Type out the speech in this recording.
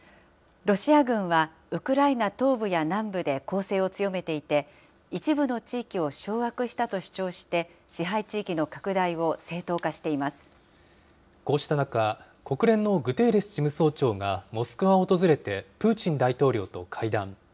ロシア軍は、ウクライナ東部や南部で攻勢を強めていて、一部の地域を掌握したと主張して、支配地域の拡大を正当化していまこうした中、国連のグテーレス事務総長が、モスクワを訪れてプーチン大統領と会談。